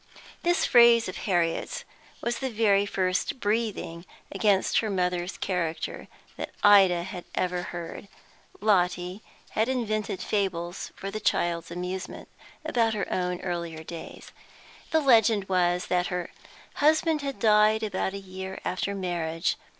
This phrase of Harriet's was the very first breathing against her mother's character that Ida had ever heard. Lotty had invented fables, for the child's amusement, about her own earlier days. The legend was, that her husband had died about a year after marriage.